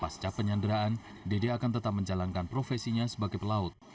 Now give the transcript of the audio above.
pasca penyanderaan dede akan tetap menjalankan profesinya sebagai pelaut